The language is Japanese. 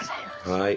はい。